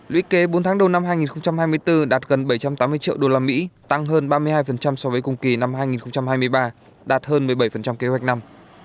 lũy kế bốn tháng đầu năm hai nghìn hai mươi bốn đạt gần bảy trăm tám mươi triệu usd tăng hơn ba mươi hai so với cùng kỳ năm hai nghìn hai mươi ba đạt hơn một mươi bảy kế hoạch năm